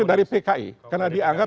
tapi barangkali bahwa